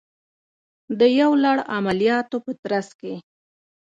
د یو لړ عملیاتو په ترڅ کې